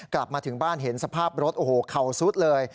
กลับมาถึงบ้านเห็นสภาพรถโอ้โหเข่าซุดเลย